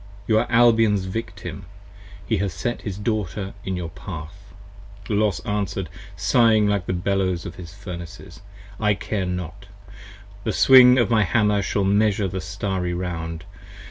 24 You are Albion's Victim, he has set his Daughter in your path. p. 88 LOS answer'd, sighing like the Bellows of his Furnaces. I care not! the swing of my Hammer shall measure the starry round.